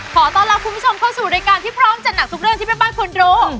ขอต้อนรับคุณผู้ชมเข้าสู่รายการที่พร้อมจัดหนักทุกเรื่องที่แม่บ้านควรรู้